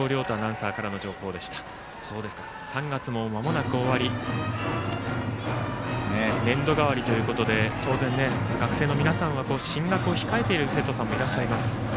３月もまもなく終わり年度がわりということで当然、学生の皆さんは進学を控えている生徒さんもいらっしゃいます。